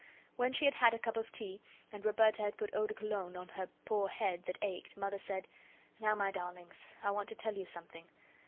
When she had had a cup of tea, and Roberta had put eau de Cologne on her poor head that ached, Mother said: "Now, my darlings, I want to tell you something.